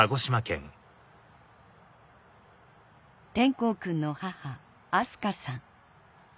皇くんの母明日香さん